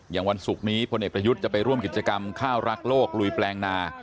วันศุกร์นี้พลเอกประยุทธ์จะไปร่วมกิจกรรมข้าวรักโลกลุยแปลงนา